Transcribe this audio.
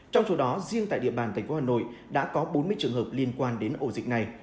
trong số đó riêng tại địa bàn tp hà nội đã có bốn mươi trường hợp liên quan đến ổ dịch này